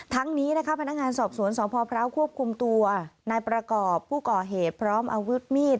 ทั้งนี้นะคะพนักงานสอบสวนสพพร้าวควบคุมตัวนายประกอบผู้ก่อเหตุพร้อมอาวุธมีด